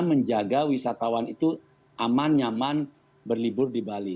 menjaga wisatawan itu aman nyaman berlibur di bali